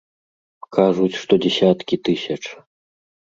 Кажуць, што дзесяткі тысяч.